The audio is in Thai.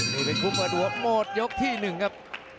นี่เป็นคุมประดัวโหมดยกที่หนึ่งครับ